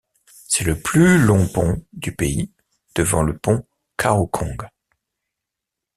C'est le plus long pont du pays devant le Pont Kaoh Kong.